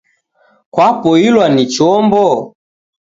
Kwapoilwa ni chombo?